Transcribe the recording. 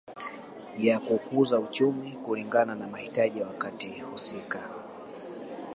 Ya kuukuza uchumi kulingana na mahitaji ya wakati husika